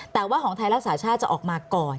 แต่ว่าของไทยรักษาชาติจะออกมาก่อน